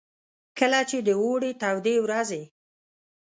کله چې د اوړې تودې ورځې.